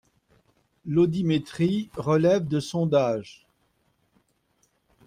L'audimétrie relève de sondages.